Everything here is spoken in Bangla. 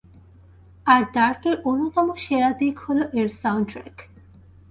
আর ডার্কের অন্যতম সেরা দিক হলো এর সাউন্ডট্র্যাক।